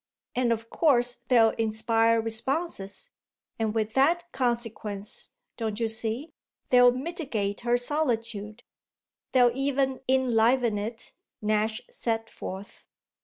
"And of course they'll inspire responses, and with that consequence don't you see? they'll mitigate her solitude, they'll even enliven it," Nash set forth.